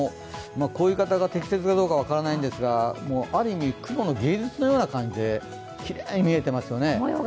こういう言い方が適切か分からないんですがある意味、雲の芸術のような感じできれいに見えてますよね。